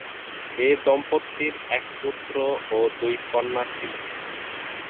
এ দম্পতির এক পুত্র ও দুই কন্যা ছিল।